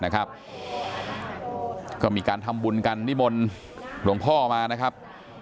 ก็มีการทำบุญกันนิมนต์หลวงพ่อมานะครับ